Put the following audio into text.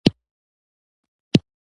ما نن هم خپل کار وکړ.